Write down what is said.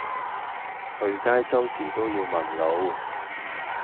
去街周時都要問路